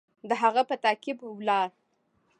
د هغه په تعقیب ولاړ.